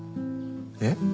えっ？